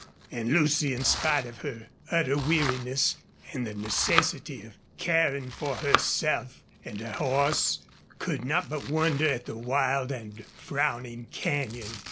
And Lucy, in spite of her utter weariness, and the necessity of caring for herself and her horse, could not but wonder at the wild and frowning canyon.